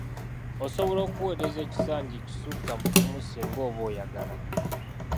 Osobola okuweereza ekisanja ekisukka mu kimu singa oba oyagala.